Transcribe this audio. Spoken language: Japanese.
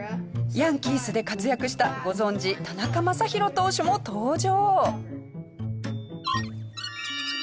ヤンキースで活躍したご存じ田中将大投手も登場。